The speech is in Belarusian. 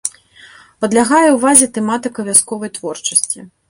Падлягае ўвазе тэматыка вясковай творчасці.